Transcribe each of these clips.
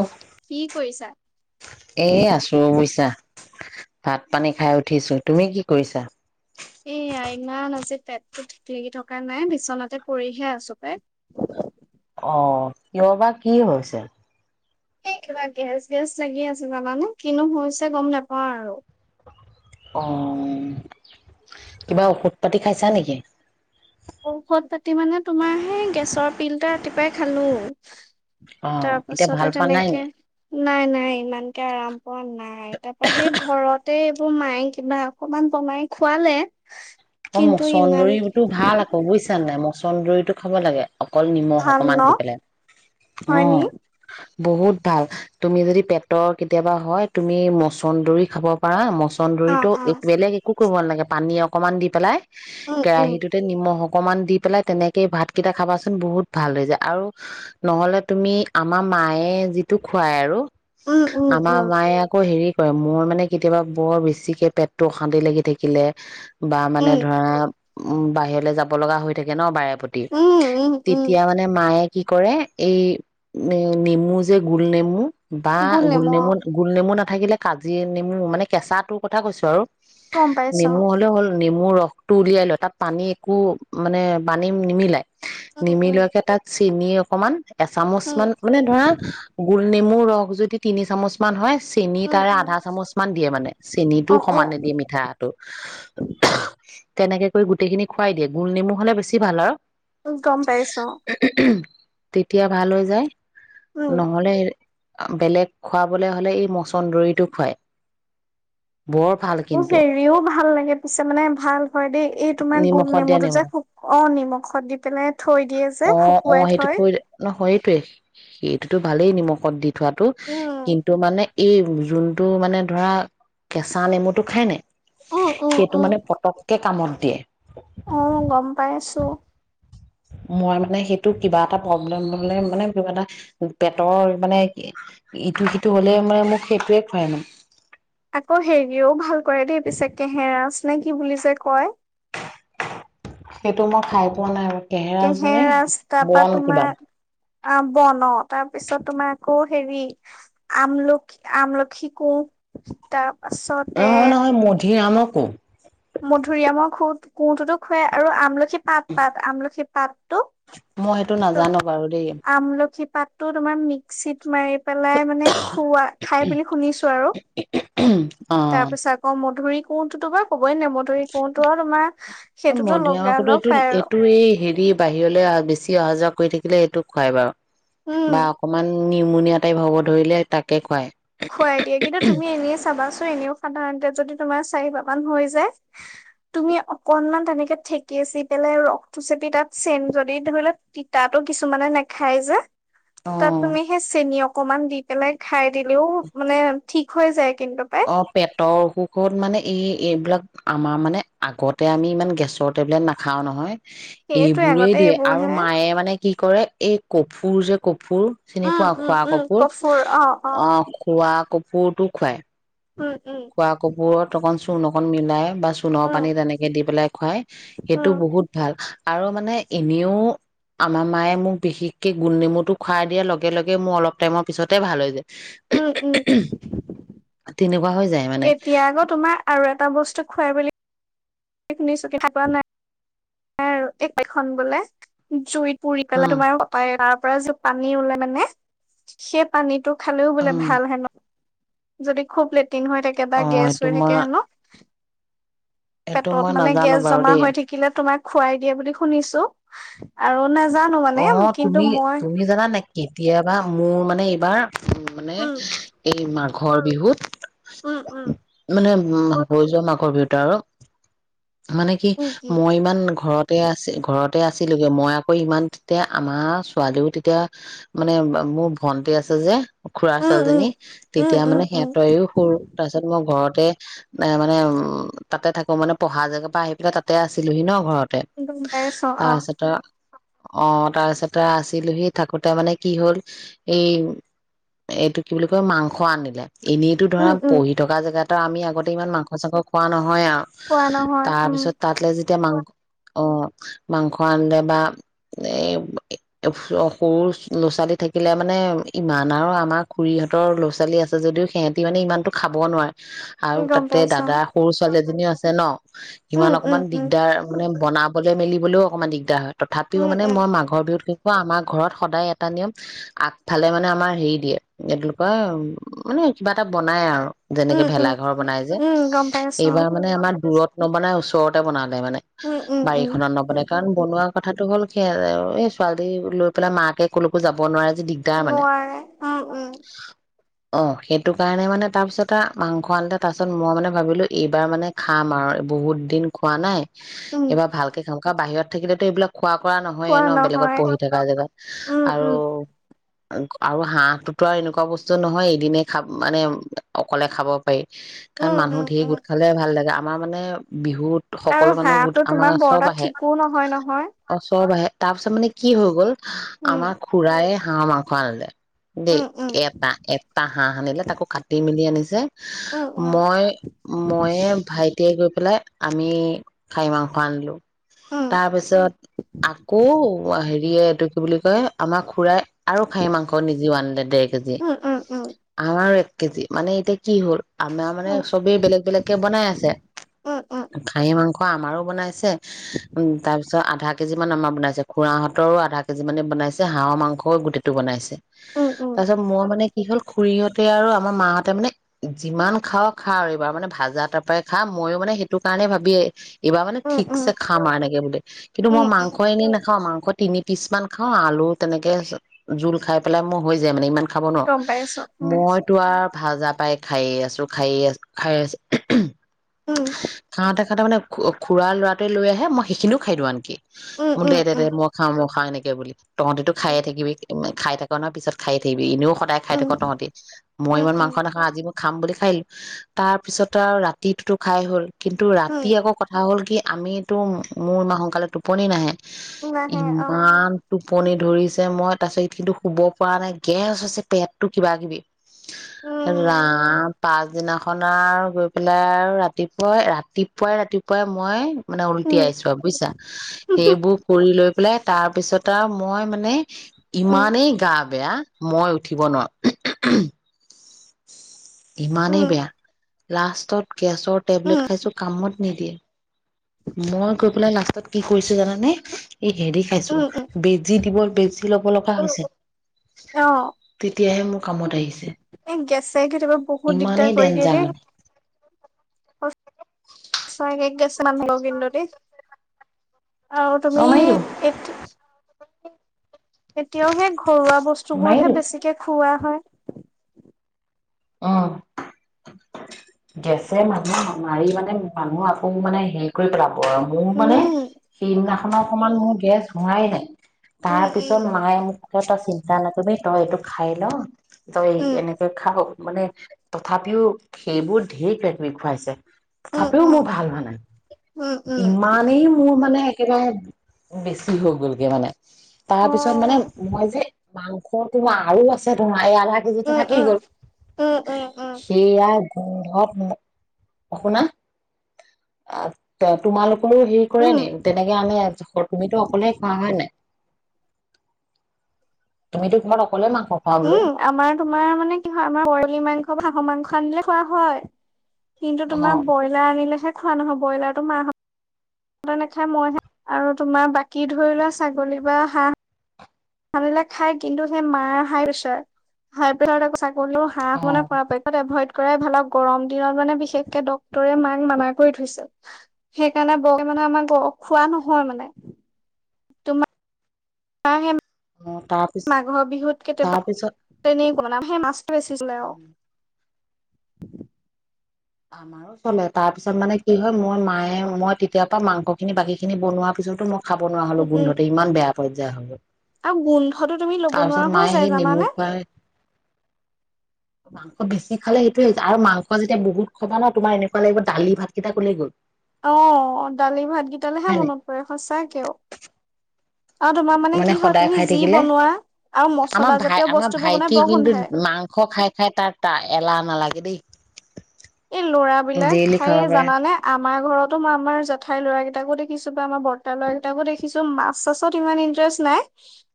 অহ কি কৰিছা? এ আছো অৱইছা ভাত পানী খাই উঠিছো। তুমি কি কৰিছা? এয়া ইমান আজি পেটতো ঠিক লাগি থকা নাই বিচনাতে পৰিহে আছো পাই অ কিয় বা কি? হৈছে এই কিবা গেছ গেছ লাগি আছে জানানে কিনো হৈছে গম নাপাওঁ আৰু অ, কিবা ঔষধ পাতি খাইছা নেকি? ঔষধ পাতি মানে তোমাৰ সেই গেছৰ পিল টা ৰাতিপুৱাই খালো অ তাৰ এতিয়া পাছতে ভাল পোৱা নাই নি তেনেকে নাই নাই ইমানকে আৰাম পোৱা নাই তাৰ পা সেই ঘৰত তাতে এইবোৰ মায়ে কিবা অকমান বনাই খুৱালে অ মচন্দৰীতো ভাল বুইছা নাই, মচন্দৰিটো খাব লাগে অকল নিমখ ভাল অকমান ন দি পেলাই, উম হয়নি? বহুত ভাল তুমি যদি পেটৰ কেতিয়াবা হয় তুমি মচন্দৰি খাব পাৰা মচ- অ', চন্দুৰিটো অ', বেলেগ একো কৰিব নালাগে পানী অকমান দি পেলাই উম, উম, কেৰাহিটোতে নিমখ অ- অকমান দি পেলাই তেনেকেই ভাতকেইটা খাবাচোন বহুত ভাল হৈ যায় আৰু নহলে তুমি আমাৰ মায়ে যিটো খুৱাই আৰু উম, উম, আমাৰ উম, মায়ে আকৌ হেৰি মোৰ মানে কেতিয়াবা বৰ বেছিকে পেটতটো অশান্তি লাগি থাকিলে মানে উম, ধৰা উম বাহিৰলৈ যাব লগা হৈ থাকে ন বাৰে - পতি, উম, উম, উম, তেতিয়া মানে মায়ে কি কৰে এই নেমু যে গোল নেমু বা গোল গুল নেমু অ'। গুল নেমু না- থাকিলে কাজি নেমু মানে কেঁচা টোৰ কথা কৈছো আৰু গম পাইছ নেমু হ'লেও হ'ল নেমুৰ ৰসটো উলিয়াই ল তাত পানী একো মানে বানি নিমিলাই উম উম নিমিলোৱাকে তাত চে- তিনি অকমান এচামুচ উম মান মানে ধৰা গুৰি নেমু ৰস যদি তিনি চামুচ মান হয় চেনি উম তাৰে উম আধা চামুচ মান দিয়ে মানে চেনটো অ অ সমানে দিয়ে মিঠাটো তেনেকে কৰি গোটেই খিনি খুৱাই দিয়ে গোল নেমু হ'লে বেছি ভাল আৰু গম পাইছ তেতিয়া ভাল হৈ যায় উম নহ'লে বেলেগ খুৱাবলৈ হ'লে এই মচন্দৰিটো খুৱায় মোৰ সেৰিও ভাল লাগে পিছে মানে ভাল হয় দেই এই তোমাৰ গোল নিমখত দিয়া নেমুটো নেমু যে খুব অ নিমখত দি পেলাই থৈ দিয়ে যে অ অ শুকুৱাই সেইটো থৈ দে ন সৈত সেইটোতো ভালেই নিমখত দি থোৱাটো উম কিন্তু মানে এই যোনটো মানে ধৰা কেঁচা নেমুটো খায় নে উম উম সেইটো উম মানে পতককে কামত দিয়ে অ গম পাইছো মই মানে সেইটো কিবা এটা প্ৰব্লেম হলে মানে কিবা এটা পেটৰ মানে ইটো সিটো হ'লে মানে মোক সেইটোৱে খুৱাই মানে আকৌ হেৰিও ভাল কৰে দেই পিছে কেহেৰাজ নে কি বুলি যে কয় সেইটো মই খাই পোৱা নাই আৰু কেহেৰাজ মানে বন কিবা অ বন তাৰ পিছত তোমাৰ আকৌ হেৰি আমলখি আমলখি কো তাৰ ছতে ধিৰামকো মধুৰিআমৰ খু কুঁটোতো খুৱাই আৰু আমল খি পাত পাত আমলখি তাত মই সেইটো নাজানো বাৰু দেই পাতো তোমাৰ মিক্সিত মাৰি পেলাই মানে খৱা ঠাই বুলি শুনিছো আৰু অ তাৰ পিছত আকৌ মধুৰি কুোন তো তো বা [unintelligible] আৰু তোমাক, সেইটোতো লগাই মধুৰিআমকতো লগ এইটো পাই আৰু এইটো এই হেৰি বাহিৰলৈ অহা বেছি অহা যোৱা কৰি থাকিলে এইটো খুৱাই বাৰু উম বা অকমান নিমুনিয়া টাইপ হ'ব ধৰিলে তাকে খুৱায়। খুৱাই দিয়ে, কিন্তু তুমি এনে চাবাচো এনেও সাধাৰণতে যদি তোমাৰ চাৰি বাৰ মান হৈ যায়, তুমি অকনমান তেনেকে ঠেকেচি পেলাই ৰসটো চেপি তাত চেন যদি ধৰি লোৱা তিতাটো কিছুমানে নাখায় যে অ তাত তুমি সে চেনী অক অকমান দি পেলাই খাই দি ও মানে ঠিক হৈ যায়। পাই অ পেটৰ অসুখত মানে এই-এইবিলাক আমাৰ মানে, আগতে আমি ইমান গেছৰ টেবলেট নাখাও নহয়। সেইটোৱে এইবোৰেই আগতে দিয়ে এইবোৰ আৰু হে মায়ে মানে কি কৰে, এই কফুৰ যে ক ফুৰ চিনি পোৱা? খোৱা কফুৰ? অ, খোৱা কফুৰটো খুৱাই। উম উম খোৱা কফুৰত অকণ চু অকন মিলাই বা চুণৰ উম পানীত এনেকে দি পেলাই খুৱাই, সেইটো উম বহুত ভাল আৰু মানে, এনেও আমাৰ মায়ে মোক বিশেষকে গোলনেমুটো খুৱাই দিয়াৰ লগে লগে মোৰ অলপ টাইমৰ পিছতে ভাল হৈ যায়। উম', উম', তেনেকুৱা হৈ যায়। মানে এতিয়া আকৌ তোমাৰ আৰু এটা বস্তু খুৱাই বুলি [unintelligible] নাই এ-এখন বোলে জুইত পুৰি পেলাই উম তোমাৰ [inaudible] পৰা যি পানী ওলাই মানে, সেই পানীতোক খালেও বোলে উম ভাল হেনো। যদি খুব লেত তিন হৈ থাকে বা অ গেছ সেইটো হৈ মই থাকে হেনো সেইটো পেটত মই মানে নাজানো গেছ বাৰু জমা দেই হৈ থাকিলে, তোমাৰ খোৱাই দিয়ে বুলি শুনিছো। আৰু না অ', তুমি-তুমি জানা নাই? কেতিয়া বা মোৰ মানে এইবাৰ উম মানে এই মাৰ- ঘৰ বিহুত উম উম - মানে- উম হৈ যোৱা মাঘৰ বিহুত আৰু- মানে কি উম মই ইমান ঘৰতে আছে ঘৰত তই আছিলিগে মই আকৌ ইমান তেতিয়া আমাৰ ছোৱালীও তেতিয়া মানে মোৰ ভন্টি আছে যে- খুৰা উম উম ছোৱালীজনী উম তেতিয়া উম মানে উম তাইও সৰু তাৰপিছত মই ঘৰত- ততে এ মানে উম তাতে থাকো মানে পঢ়া জেগাৰ পৰা আহি পেলাই তাতে আছিলোহি ন ঘৰত। উম গম পাইছ অ তাৰপিছত- অ তাৰপিছতে আছিলোহি থাকোতে মানে কি হল এই এইটো কি বুলি কয় মাংস আনিলে। এনেইতো ধৰা উম উম পঢ়ি থকা জেগাত- আমি আগতে ইমান মাংস চাংস খোৱা নহয়। নহয় আৰু পোৱা নহয় উম তাৰপিছত তাতলৈ এতিয়া মাংস অ মাংস আনিলে বা- এ সৰু ল'ৰা ছোৱালী থাকিলে মানে ইমান আৰু আমাৰ খুৰীহঁতৰ ল'ৰা ছোৱালী আছে যদিও সিহঁতি মানে ইমানটো খাব নোৱাৰে। আৰু গম তাতে পাইছ দাদা সৰু ছোৱালী এজনীও আছে। তে ন। সিমান উম উম অকমান উম দিগদাৰ মানে বনাবলৈ মেলিবলৈও অকণমান দিগদাৰ হয়- তেওঁ উম মানে উম মই মাঘৰ বিহুতকে আমাৰ ঘৰত সদায় এটা নিয়ম আগফালে মানে আমাৰ হেৰি দিয়ে কি বুলি কয় মানে কিবা এটা বনাই আৰু- যেনেকে উম উম ভেলাঘৰ বনাই যে উম গম পাইছ এইবাৰ মানে আমাৰ দূৰত- নবনাই ওচৰতে বনালে- নবনালে মানে উম উম উম বাৰীখনত নবনাই কাৰণ বনোৱা- কথাটো হ'ল- সেই আৰু এই ছোৱালী লৈ পেলাই মাকে কলৈকো যাব নোৱাৰে- যে দিগদাৰ মানে নোৱাৰে উম উম। অ সেইটো কাৰণে মানে তাৰপিছতে আৰু মাংস আনিলে তাৰপিছত মই মানে ভাবিলো এইবাৰ মানে খাম আৰু বহুত দিন খোৱা নাই- উম এবাৰ ভালকে খাওঁ। বাহিৰত থাকিলেতো এইবিলাক খোৱা- কৰা নহয়ে পোৱা ন বেলেগত নহয় পঢ়ি থকা জেগাত উম উম আৰু- আৰু হাঁহটোতো আৰু এনেকুৱা বস্তু নহয় এদিনে খা মানে অকলে খাব- পে কাৰণ উম উম মানুহ ঢেৰ উম গোট খালে ভাল লাগে আপ। মা মানে বিহু আৰু হাঁহটো তোমাৰ বৰ এটা আহে ঠিকো নহয় নহয়। অ চব আহে। তাৰ পিছত মানে কি হৈ গ'ল উম আমাৰ খুৰায়ে হাঁহৰ মাং ফানলে। দে উম উম এটা-এটা হাঁহ আনিলে তাকো কাটি মেলি আনি যে ছে উম মই-মইয়ে ভাইটিয়ে গৈ পেলাই আমি--খাহী মাংস আনলো। উম তাৰপিছত আকৌ হেৰিয়ে এইটো কি বুলি কয় আমাৰ খুৰাই আৰু খাহী মাংস নিজেও আনিলে দেই খেদ যে উম উম উম আমাৰ পি জি। মানে এতিয়া কি হ'ল? আমাৰ মানে উম চবে বেলেগ বেলেগকে বনাই আছে। উম উম খাহী মাং খ আমাৰো বনাইছে। উচ্ উম তাৰপিছত স আধাক কেজি মান আমাৰ বনাইছে, খুৰাহঁতৰো আধা কেজি মানে বনাইছে হাঁহৰ মাংসও গোটেইটো বনাইছে। উম উম তাৰপিছত মই মানেক কি হ'ল--খুৰীহঁতে আৰু আমাৰ মাহঁতে মানে--যিমান খাওঁ খা আৰু এইবাৰ মানে ভাজা তাৰ পৰাই খা মইয়ো মানে সেইটো কাৰণে ভাবিয়েই এইবাৰ মানে উম, উম, ঠিকছে খাম আৰু এনেকে বোলে উম, তোমাৰ উম, মাংস এনেই নাখা খাওঁ মাংস তিনি পিছ মান খাওঁ আলু তেনেকে জোল খাই পেলাই মই হৈ যা যে মানে ইমান খাব নোৱাৰোঁ। গম পাইছো। উম, মইতো আৰ ভাজা পাই খায়ে আছোঁ, খায়ে আছোঁ, খাই আছে হুম উম, হুম চু উচ খাওতে সিহঁতৰ মানে খু-খুৰা ল'ৰাটোৱে লৈ আহে মই সেইখিনিও খাই দিওঁ আনকি উম, মোক উম, দে দে দে মই খাম ম হয় নেকে বুলি। তহঁতেতো খায়ে উম। থাকিবি তুমি খাই থাকো নহয় পিছত খাই থাকিবি এনেও সদায় খাই উম, থাকো তহঁতি মই উম, ইমান উম, মাংস নাখাওঁ আজি মোক খাম বুলি খাই আহিলো। তাৰ পিছত আৰু ৰাতিটোতো- খাই হ'ল? কিন্তু উম, ৰাতি আকৌ কথা হ'ল কি আমিতো মোৰ মাহ সোনকালে টোপনি নাহে উম নাহে অ', ইমান টোপনি ধৰিছে মই তাৰপিছত কিন্তু শুব পৰা নাই গেছ আছে পেটটো কিবা কিবি উম, ৰাম প পিছদিনাখন আৰু গৈ পেলাই আৰু ৰাতি ৰাতিপুৱাই ৰাতিপুৱাই ৰাতিপুৱাই মই মানে উলটি উম। আহাইছোোৱা বুজিছা সেইবোৰ কৰিু লৈ বোলে তাৰপিছত আৰু মই মানে উম, ইমানেই গা বেয়া মই উঠিব নোৱাৰো ইমানেই উম, বেয়া লাষ্টত গেছৰ টেবলেট উম, খাইছোঁ কামত নিদিয়ে মই গৈ পেলাই লাষ্টত কি কৰিছো জানানে এই হেৰি খাইছো উম, উম, বেজি দিব বেছি ল'ব লগা হৈছিল অ', তেতিয়াহে মোৰ কামত আহিছে চাইক থব বহুত ইমানেই দিগদাৰ কৰি দিয়ে ডেঞ্জাৰ দেেই মানে চ এক গেছিল লগগ ইডতে অ তুমি মাৰি দিব এক এতিয়াও সেই ঘৰুৱা বস্তু মাৰি বোৰহে দিব বেছিকে খুওৱা হয় উম গেছে মানুহ মাৰি মানে মানুহ আকৌ মানে হেৰি কৰি পেলাব মোৰ মানে উম, সেইদিনাখননৰ অকমান মোৰ গেছ নাই ন তাৰ উম, পিছত উম। মায়ে মোক টা চিন্তা নকবি তই এইটো খাই ল তই উম, এনেকে খাও মানে তথাপিও সেইবোৰ ঢেৰ কি খুৱাইছে উম, চাপেও উম, মোৰ ভাল হোৱা উম, উম, নাই ইমানেই মোৰ মানে একবাৰে বেছি হৈ গ'লগে মানে তাৰপিছত মানে অ', মই যে মাংস তোমাৰ আৰু আছে ধৰা ম' আলহা কেজটো উম, থাকেই উম, গ'ল। উম, উম, উম, সেইয়া গোন্ধত শুনা তোমালোক কোনে হেৰি কৰে উম। নি তেনেকে আনে তুমিতো অকলেহ খোৱা হয় নাই। তুমিতো কিমান উম, আমাৰ তোমাৰ মানে কি হয় আমাৰ পয় পলি মাংস হাঁহৰ মাংস আনিলে খোৱা হয়। কিন্তু তোমাৰ অ', ব্ৰইলাৰ আনিলেহে খোৱা নহয় ব্ৰইলাৰটো মাহতে নাখায় মইহে আৰু তোমাৰ বাকী ধৰি লোৱা ছাগলী বা হাঁহ আনিলে খাই কিন্তু সেই মাৰ হাই প্ৰেচাৰ হাই প্ৰেছাৰাক ক'নো হাঁহ শুনা অ', কৰা পক্ষত এভইড কৰাই ভালক গৰম দিনত মানে বিশেষকে ডক্তৰে মাক মানা কৰি থৈছিল সেইকাৰণে বৰকে মানে আমাৰ খোৱা নহয় মানে অ'। মাঘৰ বিহুত কেতিয়াবা তাৰপিছত তেনে বনাম হে মাছ লৈছিল আৰু উম, আমাৰো চলে তাৰ পিছত মানে কি হয় মোৰ মায়ে মই তেতিয়াৰ পৰা মাংস খিনি বাকী খিনি বনোৱা পিছতো মই খাব নোৱাৰা হ'লেও উম, উম, গোন্ধতে ইমান বেয়া পৰ যা হ'ব। আৰু গোন্ধটো তুমি লব নোৱাৰা হৈ যায় সেই নেমু জানানে। খুৱাই মাংস বেছি খালে সেইটোয়ে হৈছে আৰু মাংস যেতিয়া বহুত খবা ন' তমাৰ এনেকুৱা লাগ দালি ভকেইটাক ক'লে গ'ল। অ', দালি ভাত কেইটালেহে হয় নাই? মনত পৰে সঁচাকেও আৰু তোমাৰ মানে কি হয় সদায় তুমি খাই যি থাকিলে বনোৱা আৰু মছলা আমাৰ ভাই জাতীয় আমাৰ বস্তুবোৰ বনাই ভাইটি বৰ কিন্তু গোন্ধাই মাংস খাই খাই তাৰ এলাহ নালাগে দেই। এই ল'ৰাবলাক ডেইলি খাব খাইে পাৰে জানানে আ আমাৰ ঘৰতো মই আমাৰ জেঠাইৰ ল'ৰাৰাকেইটাকো দেখিছো বা আমাৰ বৰ্তাৰ ল'ৰাৰাকেইটাকো দেখিছো মাছ চাছত ইমান ইন্টাৰেষ্ট নাই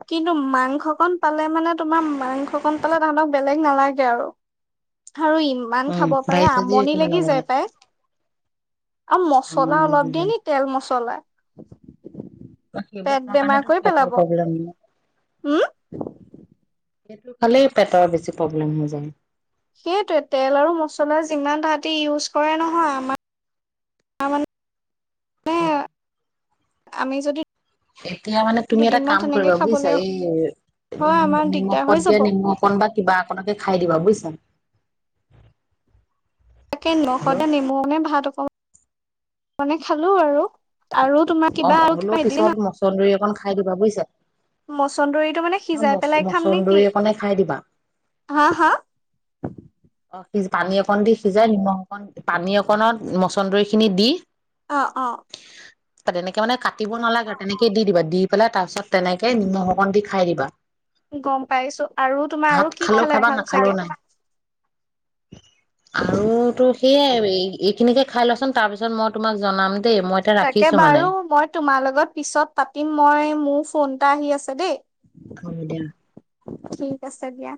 কিন্তু মাংসকন পালে মানে তোমাৰ মাংসকন পালে তাহনক বেলেগ নালাগে আৰু। আৰু ইমান উম খাব পাৰে ভাজি চাজি আমনি একো বনাব লাগি যায় নালাগে। পাই। আৰু মছলা অলপ দি নি তেল মছলা। উম। সেইবোৰ খোৱা কাৰণে প্ৰব্লেম ইমান। উম। সেইটো খালেই পেটৰ বেছি প্ৰব্লেম হৈ যায়। সেইটোৱে তেল আৰু মছলা যিমান তাহাতি ইউজ কৰা নহয় আমাৰ মে। উম আমি যদি এতিয়া মানে তুমি এটা দুদিনমান কাম তেনেকে কৰিবা বুজিছা খাবলৈ এই হয় আমাৰ উ দিগদাৰ নিমখত হৈ যাব দিয়া নিমখ অকন বা কিবা অকনকে খাই দিবা বুজিছা তাকে হেল্ল' নিমখে নেমু ভাত অক মানে খালো আৰু আৰু তোমাৰ অ কিবা আৰু হ'লেও কিবা দিলে পিছত না মচন্দৰী অকন খাই দিব বুজিছা মচন্দৰীটো মানে সিজাই মচ পেলাই খাম নেকি মচন্দৰী অকনে খাই দিবা। হা হা [inaudible] অ সিজ পানী অকণ দি সিজাই নিমখ অ পানী অকনত মচন্দৰী খিনি দি অ অ তেনেকে মানে কাটিব নালাগে আৰু তেনেকে দি দিবা দি পেলাই তাৰ পিছত তেনেকে নিমখ অকণ দি খাই দিবা গম পাইছো আৰু তোমাৰ আৰু কি খালে ভাল চাগে আৰু তো সেইয়ে এইখিনিকে খাই লচোন তাৰপিছত মই তোমাক জনাম দেই মই এতিয়া তাকে ৰাখিছো মানে। বাৰু মই তোমাৰ লগত পিছত পাতিম মই মোৰ ফোন এটা আহি আছে দেই হ'ব দিয়া ঠিক আছে দিয়া